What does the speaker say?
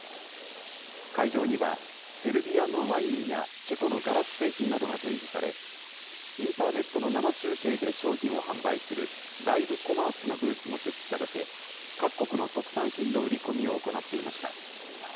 会場には、セルビアのワインやチェコのガラス製品などが展示され、インターネットの生中継で商品を販売するライブコマースのブースも設置されて、各国の特産品の売り込みを行っていました。